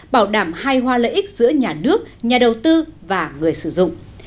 bảo đảm hai hoa lợi ích giữa nhà nước nhà đầu tư và người sử dụng